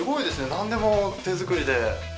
なんでも手作りで。